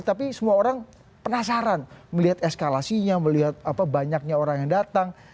tapi semua orang penasaran melihat eskalasinya melihat banyaknya orang yang datang